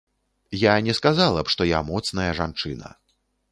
Я не сказала б, што я моцная жанчына.